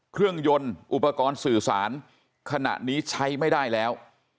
เครื่องยนต์อุปกรณ์สื่อสารขณะนี้ใช้ไม่ได้แล้ว